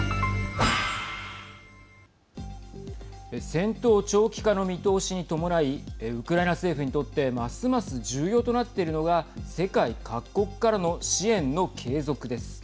戦闘長期化の見通しに伴いウクライナ政府にとってますます重要となっているのが世界各国からの支援の継続です。